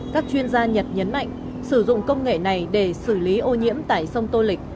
các chuyên gia nhật nhấn mạnh sử dụng công nghệ này để xử lý ô nhiễm tại sông tô lịch